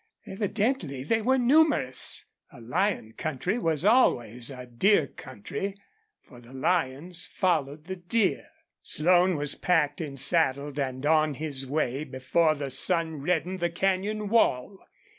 Evidently they were numerous. A lion country was always a deer country, for the lions followed the deer. Slone was packed and saddled and on his way before the sun reddened the canyon wall.